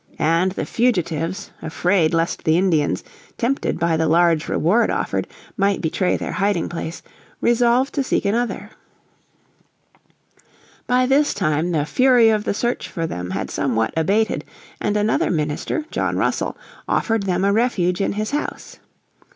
And the fugitives, afraid lest the Indians, tempted by the large reward offered, might betray their hiding place, resolved to seek another. By this time the fury of the search for them had somewhat abated and another minister, John Russell, offered them a refuge in his house.